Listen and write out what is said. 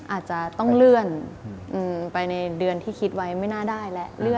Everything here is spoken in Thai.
อาจจะต้องเลื่อนไปในเดือนที่คิดไว้ไม่น่าได้แล้ว